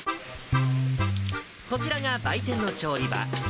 こちらが売店の調理場。